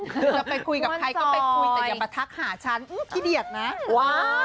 คือจะไปคุยกับใครก็ไปคุยแต่อย่ามาทักหาฉันขี้เดียดนะว้าว